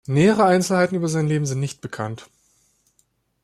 Nähere Einzelheiten über sein Leben sind nicht bekannt.